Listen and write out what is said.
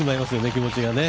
気持ちがね。